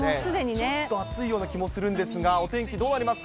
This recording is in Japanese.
ちょっと暑いような気もするんですが、お天気どうなりますか？